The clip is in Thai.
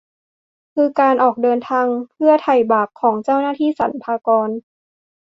คือการออกเดินทางเพื่อไถ่บาปของเจ้าหน้าที่สรรพากร